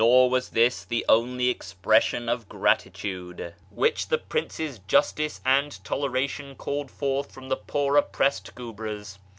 Nor was this the only expression of gratitude which the Prince's justice and toleration called forth YEZD 373 from the poor oppressed guebres.